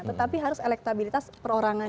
tetapi harus elektabilitas perorangannya